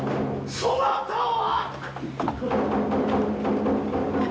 そなたは！？」。